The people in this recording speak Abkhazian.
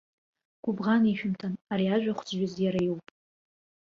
Гәыбӷан ишәымҭан, ари ажәахә зҩыз иара иоуп.